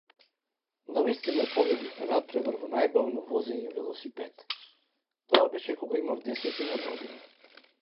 Навистина победив на натпревар во најбавно возење велосипед, тоа беше кога имав десетина години.